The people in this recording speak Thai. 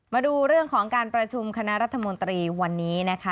มาดูเรื่องของการประชุมคณะรัฐมนตรีวันนี้นะคะ